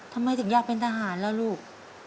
ทำไมถึงอยากเป็นทหารล่ะลูก